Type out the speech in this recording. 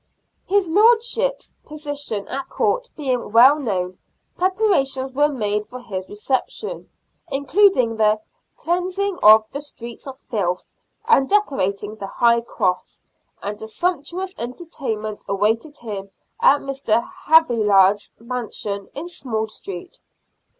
His lordship's position at Court being well known, preparations were made for his reception, including the " cleansing of the streets of filth " and decorating the High Cross ; and a sumptuous entertainment awaited him at Mr. Haviland's mansion in Small Street.